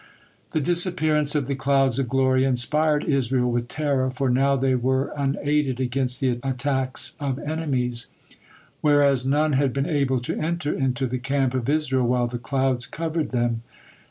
The disappearance of the clouds of glory inspired Israel with terror, for now they were unaided against the attacks of enemies, whereas none had been able to enter into the camp of Israel while the clouds covered them.